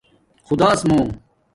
خُداس مُݸ